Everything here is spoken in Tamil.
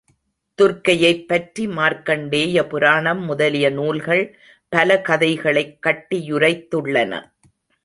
துர்க்கையைப் பற்றி மார்க்கண்டேய புராணம் முதலிய நூல்கள் பல கதைகளைக் கட்டியுரைத்துள்ளன.